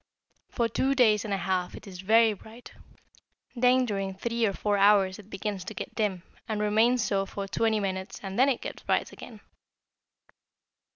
For two days and a half it is very bright, then during three or four hours it begins to get dim, and remains so for twenty minutes and then it gets bright again.